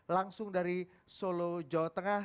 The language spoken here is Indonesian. langsung dari solo jawa tengah